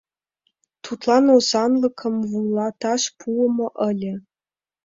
Тудлан озанлыкым вуйлаташ пуымо ыле.